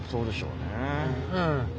うん。